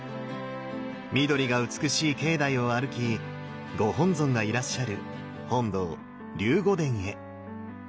緑が美しい境内を歩きご本尊がいらっしゃる本堂龍護殿へ。